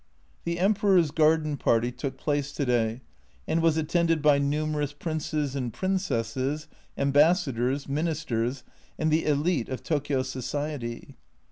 The Emperor's garden party took place to day, and was attended by numerous Princes and Princesses, Ambassadors, Ministers and the "elite of Tokio Society."